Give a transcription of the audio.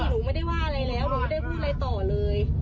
หนูไม่ได้ว่าอะไรแล้วหนูไม่ได้พูดอะไรต่อเลย